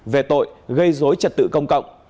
về tội gây dối trật tự công cộng